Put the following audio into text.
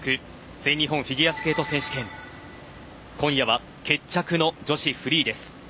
全日本フィギュアスケート選手権今夜は決着の女子フリーです。